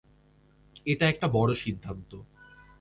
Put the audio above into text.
এটা একটা বড়ো সিদ্ধান্ত!